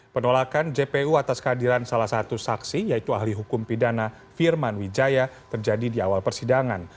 penolakan jpu atas kehadiran salah satu saksi yaitu ahli hukum pidana firman wijaya terjadi di awal persidangan